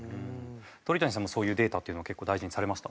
鳥谷さんもそういうデータというのは結構大事にされました？